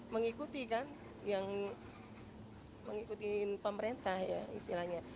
mengikuti kan yang mengikuti pemerintah ya istilahnya